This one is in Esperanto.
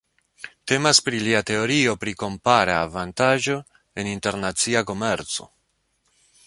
Temas pri lia teorio pri kompara avantaĝo en internacia komerco.